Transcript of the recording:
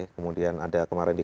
kemudian ada kemarin di